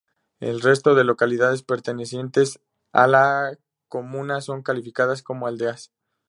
El resto de localidades pertenecientes a la comuna son calificadas como aldeas.